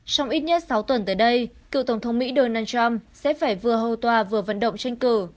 trong ít nhất sáu tuần tới đây cựu tổng thống mỹ donald trump sẽ phải vừa hầu tòa vừa vận động tranh cử